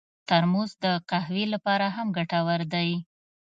ترموز د قهوې لپاره هم ګټور دی.